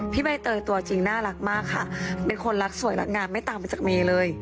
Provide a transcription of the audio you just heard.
ใบเตยตัวจริงน่ารักมากค่ะเป็นคนรักสวยรักงามไม่ต่างไปจากเมย์เลย